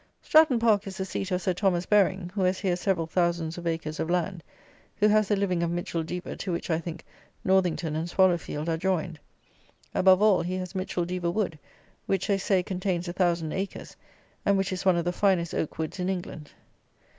Stratton Park is the seat of Sir Thomas Baring, who has here several thousands of acres of land; who has the living of Micheldever, to which, I think, Northington and Swallowfield are joined. Above all, he has Micheldever Wood, which, they say, contains a thousand acres, and which is one of the finest oak woods in England.